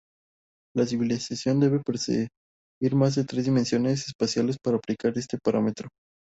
La civilización debe percibir más de tres dimensiones espaciales para aplicar este parámetro.